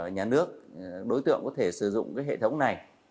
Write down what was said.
nhà nước đối tượng có thể sử dụng hệ thống này